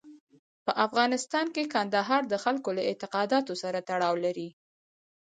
په افغانستان کې کندهار د خلکو له اعتقاداتو سره تړاو لري.